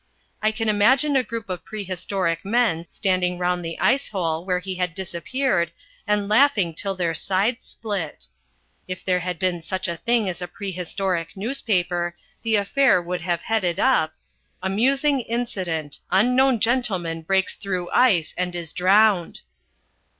I can imagine a group of prehistoric men standing round the ice hole where he had disappeared and laughing till their sides split. If there had been such a thing as a prehistoric newspaper, the affair would have headed up: "_Amusing Incident. Unknown Gentleman Breaks Through Ice and Is Drowned.